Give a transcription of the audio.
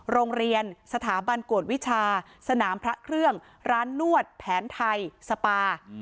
โรงเรียนสถาบันกวดวิชาสนามพระเครื่องร้านนวดแผนไทยสปา